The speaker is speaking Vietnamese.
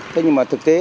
thế nhưng mà thực tế